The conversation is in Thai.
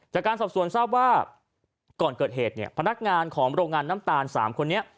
จากการสอบสวนทราบว่าก่อนเกิดเหตุเนี่ยพนักงานของโรงงานน้ำตาล๓คนนี้